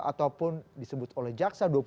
ataupun disebut oleh jaksa